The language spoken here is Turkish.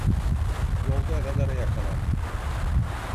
Yolda radara yakalandım.